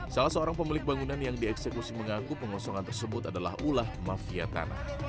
salah seorang pemilik bangunan yang dieksekusi mengaku pengosongan tersebut adalah ulah mafia tanah